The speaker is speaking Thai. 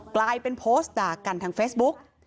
กลายเป็นโพสต์ด่ากันทางเฟซบุ๊ก